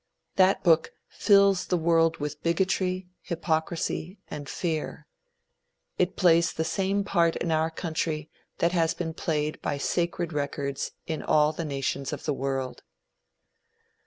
That book fills the world with bigotry, hypocrisy and fear. It plays the same part in our country that has been played by "sacred records" in all the nations of the world.